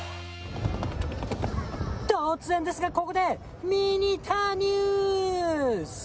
突然ですが、ここでミニタニニュース。